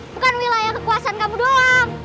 bukan wilayah kekuasaan kamu doang